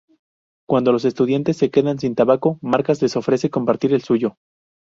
Cuando los estudiantes se quedan sin tabaco, Marcas les ofrece compartir el suyo.